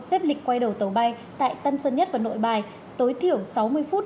xếp lịch quay đầu tàu bay tại tân sơn nhất và nội bài tối thiểu sáu mươi phút